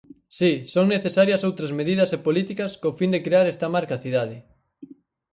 Si, son necesarias outras medidas e políticas co fin de crear esta marca cidade.